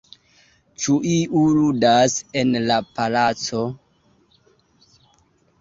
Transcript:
Ĉu iu ludas en la palaco?